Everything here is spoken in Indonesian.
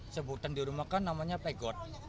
sebutan di rumah kan namanya peggod